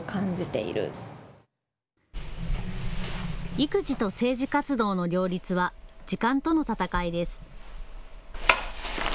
育児と政治活動の両立は時間との闘いです。